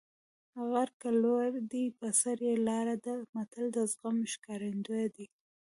غر که لوړ دی په سر یې لاره ده متل د زغم ښکارندوی دی